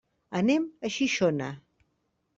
Anem a Xixona.